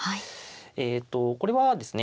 えっとこれはですね